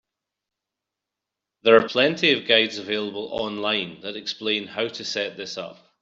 There are plenty of guides available online that explain how to set this up.